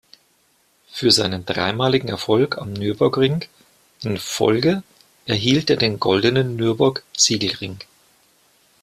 Für seinen dreimaligen Erfolg am Nürburgring in Folge erhielt er den goldenen Nürburg-Siegelring.